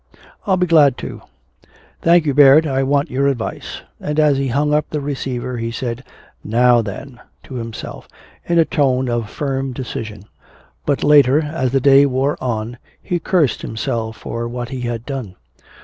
I'll be glad to." "Thank you, Baird, I want your advice." And as he hung up the receiver he said, "Now then!" to himself, in a tone of firm decision. But later, as the day wore on, he cursed himself for what he had done.